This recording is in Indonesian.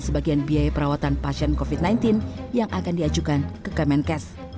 sebagian biaya perawatan pasien covid sembilan belas yang akan diajukan ke kemenkes